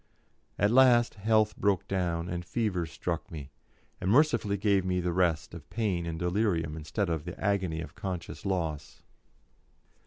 At last health broke down, and fever struck me, and mercifully gave me the rest of pain and delirium instead of the agony of conscious loss.